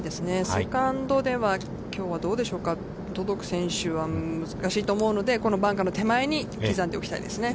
セカンドでは、きょうはどうでしょうか、届く選手は、難しいと思うので、このバンカーの手前に刻んでおきたいですね。